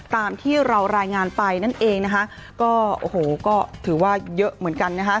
ตามที่เรารายงานไปนั่นเองนะคะก็โอ้โหก็ถือว่าเยอะเหมือนกันนะคะ